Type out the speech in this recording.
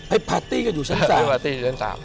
ให้พาร์ตี้ก็อยู่ชั้นสาม